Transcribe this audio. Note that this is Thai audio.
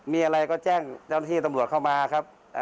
มีอะไรก็แจ้งเจ้าหน้าที่ตำรวจเข้ามาครับ